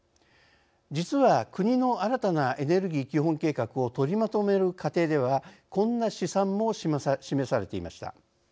実は、国の新たなエネルギー基本計画を取りまとめる過程ではこんな試算も示されていました。